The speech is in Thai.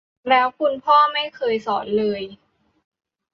แล้วคุณพ่อไม่เคยสอนเลย